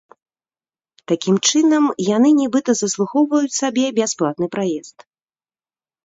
Такім чынам яны, нібыта, заслугоўваюць сабе бясплатны праезд.